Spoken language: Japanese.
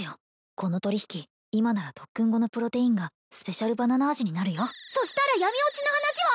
この取引今なら特訓後のプロテインがスペシャルバナナ味になるよそしたら闇墜ちの話は？